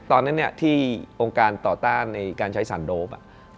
ตอนนั้นที่องค์การต่อต้านในการใช้สารโดป